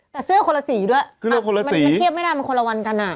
แต่เสื้อคนละสีด้วยคือมันเทียบไม่ได้มันคนละวันกันอ่ะ